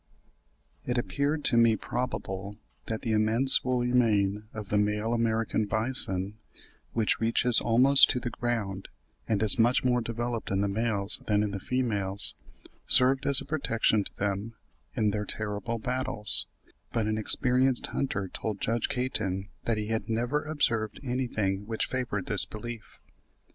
It appeared to me probable that the immense woolly mane of the male American bison, which reaches almost to the ground, and is much more developed in the males than in the females, served as a protection to them in their terrible battles; but an experienced hunter told Judge Caton that he had never observed anything which favoured this belief.